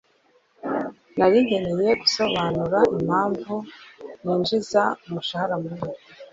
Nari nkeneye gusobanura impamvu ninjiza umushahara munini.